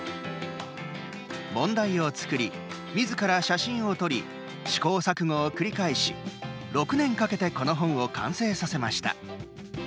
問題を作り、みずから写真を撮り試行錯誤を繰り返し６年かけてこの本を完成させました。